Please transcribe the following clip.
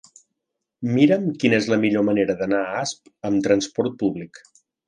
Mira'm quina és la millor manera d'anar a Asp amb transport públic.